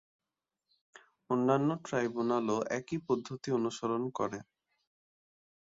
অন্যান্য ট্রাইব্যুনালও একই পদ্ধতি অনুসরণ করে।